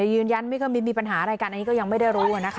ยืนยันไม่เคยมีปัญหาอะไรกันอันนี้ก็ยังไม่ได้รู้นะคะ